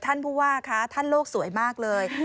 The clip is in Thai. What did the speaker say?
ท่านผู้ว่าคะท่านโลกสวยมากเลย